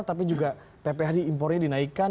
tapi juga pph di impornya dinaikkan